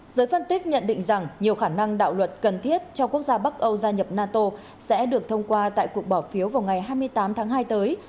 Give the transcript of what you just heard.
giới phân tích nhận định rằng nhiều khả năng đạo luật cần thiết cho quốc gia bắc âu gia nhập nato sẽ được thông qua tại cuộc bỏ phiếu vào ngày hai mươi tám tháng hai tới